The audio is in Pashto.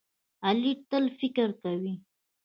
غلی، تل فکر کوي.